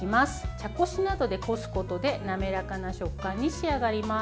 茶こしなどでこすことで滑らかな食感に仕上がります。